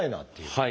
はい。